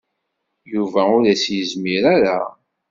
Yuba ur as-yezmir ara.